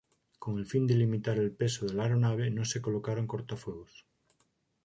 Con el fin de limitar el peso de la aeronave, no se colocaron cortafuegos.